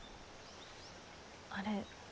あれ？